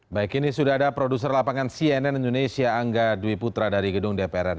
baik ini sudah ada produser lapangan cnn indonesia angga dwi putra dari gedung dpr ri